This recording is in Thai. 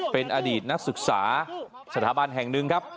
เป็นอดีตนักศึกษาสถาบันแห่งหนึ่งครับ